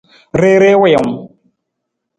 Rere wiwung.